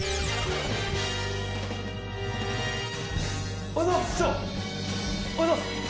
おはようございます！